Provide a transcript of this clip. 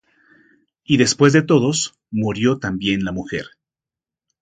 Y después de todos murió también la mujer.